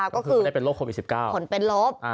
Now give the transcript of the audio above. ก็คือผลเป็นลบ